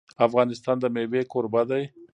افغانستان د مېوې کوربه دی.